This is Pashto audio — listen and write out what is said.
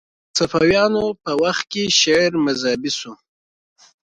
د صفویانو په وخت کې شعر مذهبي شو